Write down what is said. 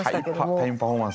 タイムパフォーマンス。